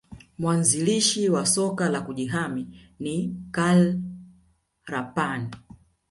Mwanzilishi wa soka la kujihami ni Karl Rapan